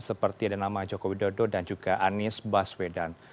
seperti ada nama joko widodo dan juga anies baswedan